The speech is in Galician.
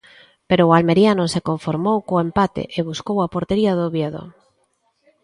Pero o Almería non se conformou co empate e buscou a portería do Oviedo.